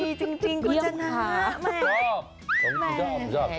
คนดีจริงกุญจนา